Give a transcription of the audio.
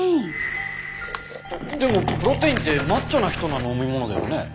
でもプロテインってマッチョな人の飲み物だよね？